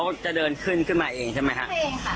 ตกใจไปเลยเขามาประจำกว่า